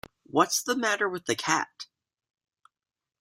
What's the matter with the cat?